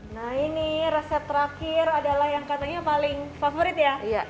nah ini resep terakhir adalah yang katanya paling favorit ya